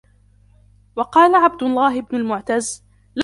وَقَالَ عَبْدُ اللَّهِ بْنُ الْمُعْتَزِّ